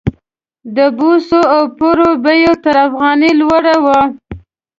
د بوسو او پړو بیه تر افغانۍ لوړه وه.